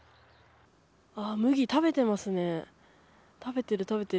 麦、食べてますね。